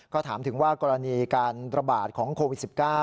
ก็ถามถึงว่ากรณีการระบาดของโควิด๑๙